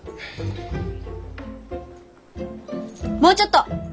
もうちょっと！